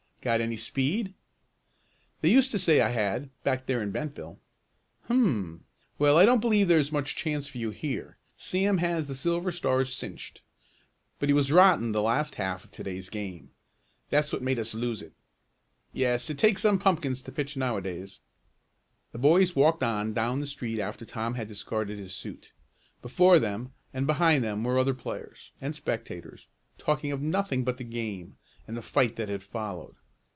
"Got any speed?" "They used to say I had, back there in Bentville." "Hum! Well, I don't believe there's much chance for you here. Sam has the Silver Stars cinched. But he was rotten the last half of to day's game. That's what made us lose it. Yes, it takes some pumpkins to pitch now a days." The boys walked on down the street after Tom had discarded his suit. Before them and behind them were other players and spectators, talking of nothing but the game and the fight that had followed.